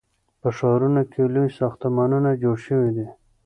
په ښارونو کې لوی ساختمانونه جوړ شوي دي.